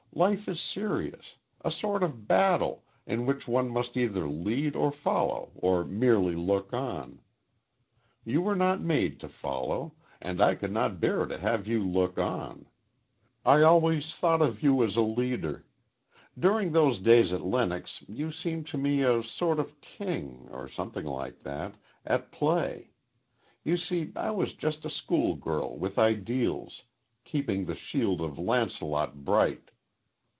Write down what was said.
Life is serious a sort of battle, in which one must either lead or follow or merely look on. You were not made to follow, and I could not bear to have you look on. I always thought of you as a leader. During those days at Lenox you seemed to me a sort of king, or something like that, at play. You see I was just a schoolgirl with ideals, keeping the shield of Launcelot bright.